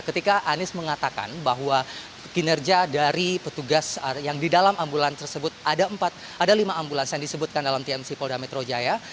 ketika anies mengatakan bahwa kinerja dari petugas yang di dalam ambulans tersebut ada empat ada lima ambulans yang disebutkan dalam tmc polda metro jaya